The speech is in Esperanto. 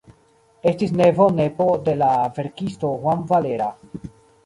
Estis nevo-nepo de la verkisto Juan Valera.